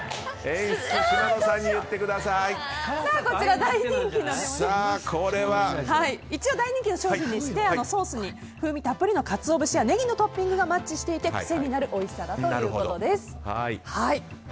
こちら大人気の商品でしてソースに風味たっぷりのカツオ節やネギのトッピングがマッチしていて癖になるおいしさだということです。